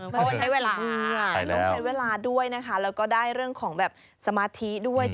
เพราะว่าใช้เวลาต้องใช้เวลาด้วยนะคะแล้วก็ได้เรื่องของแบบสมาธิด้วย